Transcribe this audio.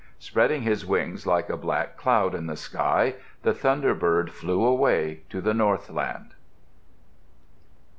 Spreading his wings like a black cloud in the sky, the thunderbird flew away to the northland.